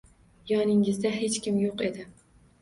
Yoningizda hech kim yo`q edi